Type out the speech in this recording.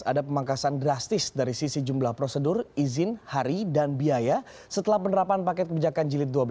ada pemangkasan drastis dari sisi jumlah prosedur izin hari dan biaya setelah penerapan paket kebijakan jilid dua belas